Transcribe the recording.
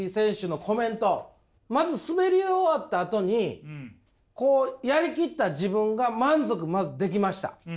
まず滑り終わったあとに「やり切った自分が満足できました。